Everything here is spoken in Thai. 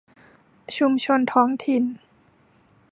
ชุมชนท้องถิ่น